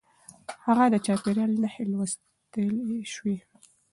هغه د چاپېريال نښې لوستلای شوې.